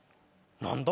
何だ？